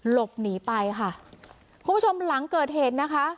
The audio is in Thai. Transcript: หลบหนีไปค่ะคุณผู้ชมหลังเกิดเหตุนะคะ